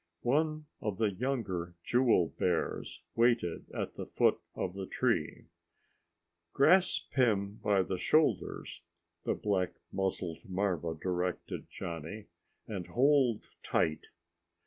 One of the younger jewel bears waited at the foot of the tree. "Grasp him by the shoulders," the black muzzled marva directed Johnny, "and hold tight."